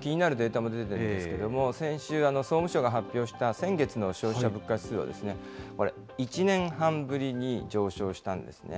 気になるデータも出ているんですけれども、先週、総務省が発表した先月の消費者物価指数は、これ、１年半ぶりに上昇したんですね。